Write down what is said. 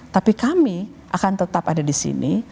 tapi kami akan tetap ada di sini